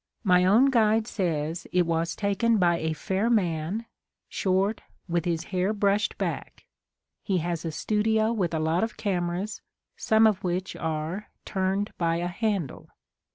My own guide says it was taken by a fair man, short, with his hair brushed back ; he has a studio with a lot of cameras, some of which are * turned by a handle.